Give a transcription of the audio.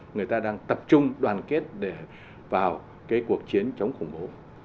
người ta đang tập trung đoàn kết để vào cái cuộc chiến chống khủng bố